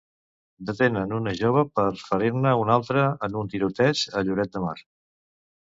Detenen una jove per ferir-ne un altre en un tiroteig a Lloret de Mar.